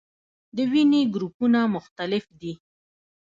د وینې ګروپونه مختلف دي